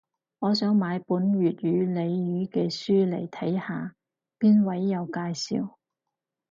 我想買返本粵語俚語嘅書嚟睇下，邊位有介紹